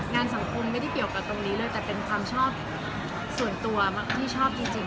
งานสังคมไม่ได้เกี่ยวกับตรงนี้เลยแต่เป็นความชอบส่วนตัวมากที่ชอบจริง